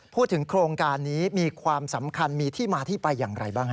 โครงการนี้มีความสำคัญมีที่มาที่ไปอย่างไรบ้างฮะ